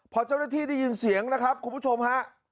พอเจ้าหน้าที่ได้ยินเสียงนะครับคุณผู้ชมฮะ